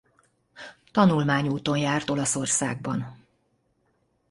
Tanulmányúton járt Olaszországban.